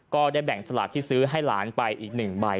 ก็ได้แบ่งสลากที่ซื้อให้หลานไปอีก๑ใบ